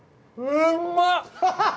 うんまっ！